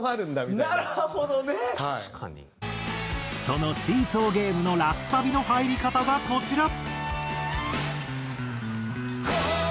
その『シーソーゲーム』のラスサビの入り方がこちら。